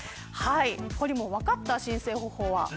ほりもん、分かった申請方法は。